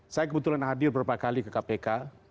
saya kebetulan hadir beberapa kali ke kpk